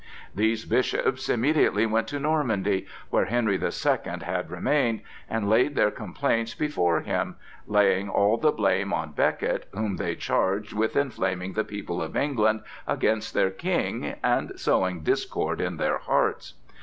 These bishops immediately went to Normandy, where Henry the Second had remained, and laid their complaints before him, laying all the blame on Becket, whom they charged with inflaming the people of England against their King and sowing discord in their hearts.